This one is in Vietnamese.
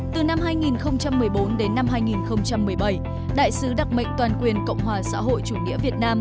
từ năm hai nghìn một mươi bốn đến năm hai nghìn một mươi bảy đại sứ đặc mệnh toàn quyền cộng hòa xã hội chủ nghĩa việt nam